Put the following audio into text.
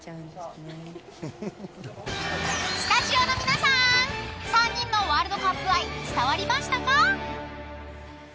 スタジオの皆さん３人のワールドカップ愛伝わりましたか？